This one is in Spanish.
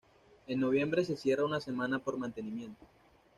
En noviembre se cierra una semana por mantenimiento.